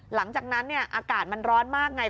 หลังจากนั้นอากาศมันร้อนมากไง